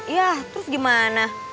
iya terus gimana